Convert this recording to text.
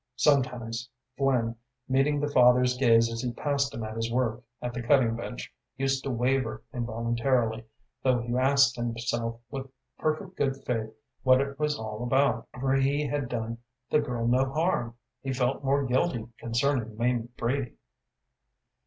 Sometimes Flynn, meeting the father's gaze as he passed him at his work at the cutting bench, used to waver involuntarily, though he asked himself with perfect good faith what was it all about, for he had done the girl no harm. He felt more guilty concerning Mamie Brady.